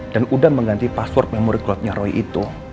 dan udah mengganti password memory cloudnya roy itu